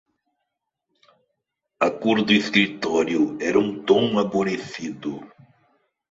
A cor do escritório era um tom aborrecido.